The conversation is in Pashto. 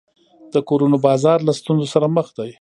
د کورونو بازار له ستونزو سره مخ دی.